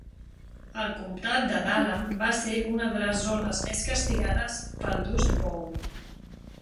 El comtat de Dallam va ser una de les zones més castigades pel Dust Bowl.